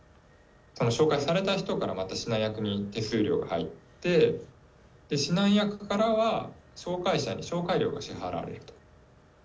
紹介された人から、また指南役に手数料が入って、指南役からは紹介者に紹介料が支払われると。